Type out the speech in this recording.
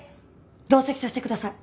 同席させてください。